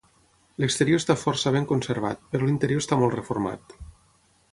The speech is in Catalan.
L'exterior està força ben conservat, però l'interior està molt reformat.